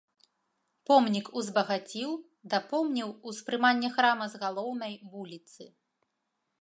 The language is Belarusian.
Помнік узбагаціў, дапоўніў успрыманне храма з галоўнай вуліцы.